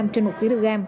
trên một kg